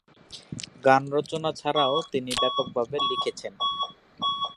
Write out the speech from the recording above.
গান রচনা ছাড়াও, তিনি ব্যাপকভাবে লিখেছেন।